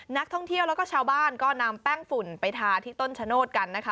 นักท่องเที่ยวแล้วก็ชาวบ้านก็นำแป้งฝุ่นไปทาที่ต้นชะโนธกันนะคะ